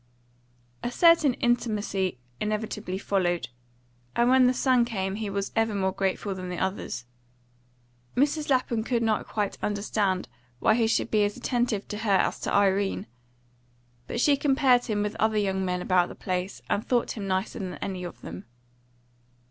A certain intimacy inevitably followed, and when the son came he was even more grateful than the others. Mrs. Lapham could not quite understand why he should be as attentive to her as to Irene; but she compared him with other young men about the place, and thought him nicer than any of them.